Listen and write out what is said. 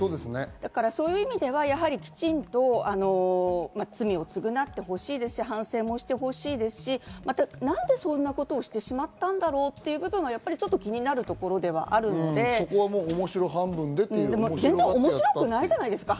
そういう意味ではきちんと罪をつぐなってほしいですし、反省もしてほしいですし、何でそんなことをしてしまったんだろうっていう部分はやっぱりちょっと気になる部分ではあるので、全然、面白くもないじゃないですか。